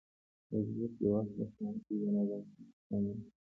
د زده کړې وخت د ښوونځي د نظم سره سم و.